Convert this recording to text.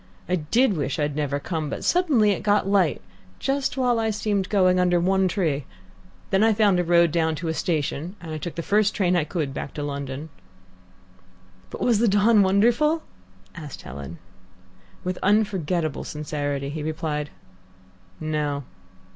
I did wish I'd never come, but suddenly it got light just while I seemed going under one tree. Then I found a road down to a station, and took the first train I could back to London." "But was the dawn wonderful?" asked Helen. With unforgettable sincerity he replied, "No."